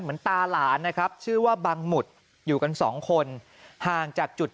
ตาหลานนะครับชื่อว่าบังหมุดอยู่กันสองคนห่างจากจุด